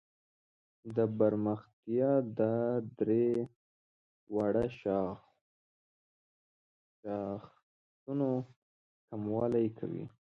د پرمختیا دا درې واړه شاخصونه کموالي کوي.